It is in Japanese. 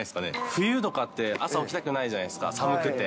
冬とかって、朝起きたくないじゃないですか、寒くて。